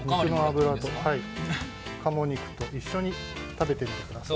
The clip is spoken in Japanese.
鴨肉と一緒に食べてみてください。